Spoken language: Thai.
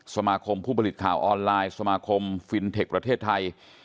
สมาคมผู้ผลิตข่าวออนไลน์สมาคมฟินเทคประเทศไทย